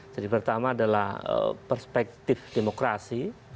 jadi pertama adalah perspektif demokrasi